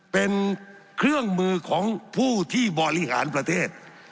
เป็นเครื่องมือของผู้ที่บริหารประเทศ